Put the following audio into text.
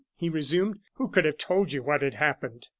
he resumed. "Who could have told you what had happened?